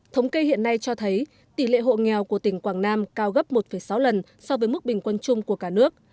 thống kê hiện nay cho thấy tỷ lệ hộ nghèo của tỉnh quảng nam cao gấp một sáu lần so với mức bình quân chung của cả nước